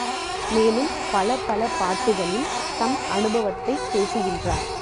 மேலும் பல பல பாட்டுக்களில் தம் அநுபவத்தைப் பேசுகின்றார்.